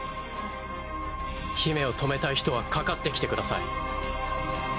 姫を止めたい人はかかってきてください。